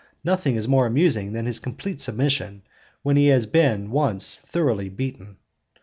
Nothing is more amusing than his complete submission when he has been once thoroughly beaten.